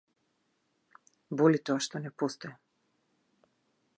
Боли тоа што не постојам.